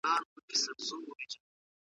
زما له موج سره یاري ده له توپان سره همزولی ,